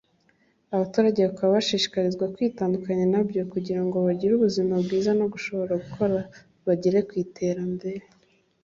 abaturage bakaba bashishikarizwa kwitandukanya nabyo kugira ngo bagire ubuzima bwiza no gushobora gukora bagere ku iterambere